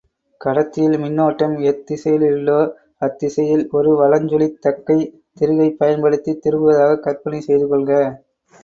கடத்தியில் மின்னோட்டம் எத்திசையிலுள்ளோ அத்திசையில் ஒரு வலஞ் சுழித் தக்கைத் திருகைப் பயன்படுத்தித் திருகுவதாகக் கற்பனை செய்து கொள்க.